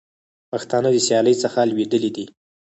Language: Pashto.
پښتانه د سیالۍ څخه لوېدلي دي.